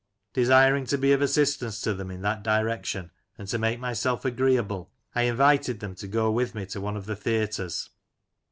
Desiring to be of assistance to them in that direction, and to make myself agreeable, I invited them to go with me to one of the theatres.